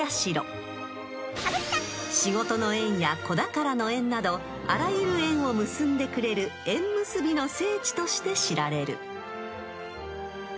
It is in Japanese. ［仕事の縁や子宝の縁などあらゆる縁を結んでくれる縁結びの聖地として知られる］